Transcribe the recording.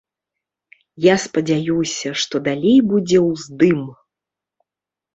Я спадзяюся, што далей будзе ўздым.